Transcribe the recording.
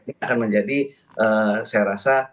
ini akan menjadi saya rasa